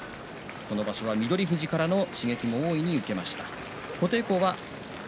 この場所は翠富士からの刺激も大いに受けました。